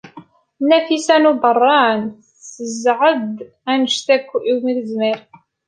Nafisa n Ubeṛṛan tezɛeḍ anect akk umi tezmer.